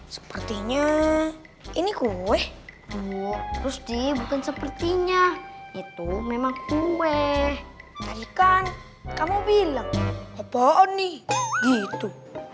sepertinya ini kue terus di bukan sepertinya itu memang kue ikan kamu bilang apa nih gitu